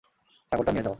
ছাগলটা নিয়ে যাও।